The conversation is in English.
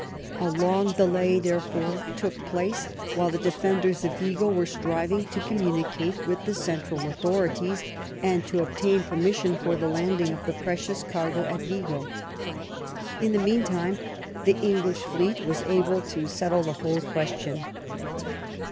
A long delay, therefore, took place while the defenders of Vigo were striving to communi cate with the central authorities and to obtain permis sion for the landing of the precious cargoes at Vigo. In the mean time the English fleet were able to settle the whole question.